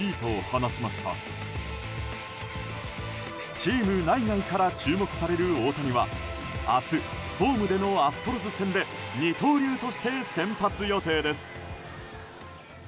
チーム内外から注目される大谷は明日、ホームでのアストロズ戦で二刀流として先発予定です。